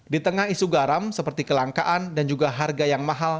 di tengah isu garam seperti kelangkaan dan juga harga yang mahal